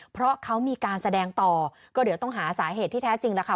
เพราะเขามีการแสดงต่อก็เดี๋ยวต้องหาสาเหตุที่แท้จริงแล้วค่ะ